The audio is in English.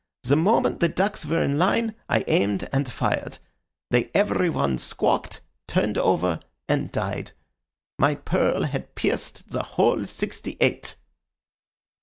The moment the ducks were in line I aimed and fired. They every one squawked, turned over, and died. My pearl had pierced the whole sixty eight."